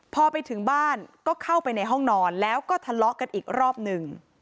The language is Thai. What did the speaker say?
พอไปถึงบ้านก็เข้าไปในห้องนอนแล้วก็ทะเลาะกันอีกรอบหนึ่ง